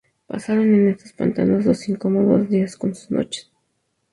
Pasaron en estos pantanos dos incómodos días con sus noches.